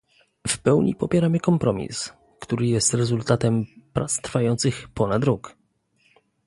W pełni popieramy kompromis, który jest rezultatem prac trwających ponad rok